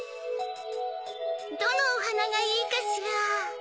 どのおはながいいかしら？